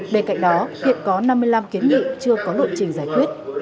bên cạnh đó hiện có năm mươi năm kiến nghị chưa có lộ trình giải quyết